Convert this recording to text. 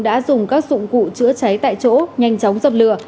đã dùng các dụng cụ chữa cháy tại chỗ nhanh chóng dập lửa